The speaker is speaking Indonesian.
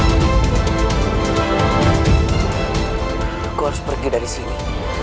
aku harus pergi dari sini